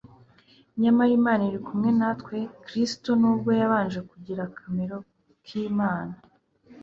Nyamara Imana iri kumwe natwe Kristo "nubwo yabanje kugira akamero k'Imana